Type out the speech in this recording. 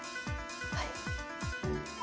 はい。